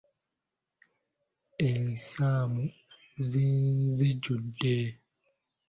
Ensaamu zinzijjudde.